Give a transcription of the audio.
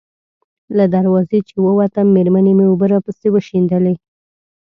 له دروازې چې ووتم، مېرمنې مې اوبه راپسې وشیندلې.